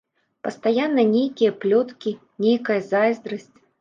Пастаянна нейкія плёткі, нейкая зайздрасць.